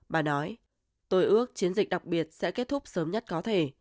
bà nói tôi ước chiến dịch đặc biệt sẽ kết thúc sớm nhất có thể